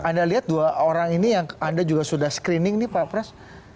anda lihat dua orang ini yang anda juga sudah screening nih pak pras